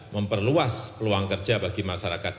memperluas peluang kerja bagi masyarakat